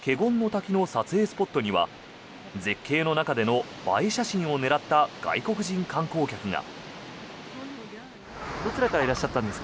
滝の撮影スポットには絶景の中での映え写真を狙った外国人観光客が。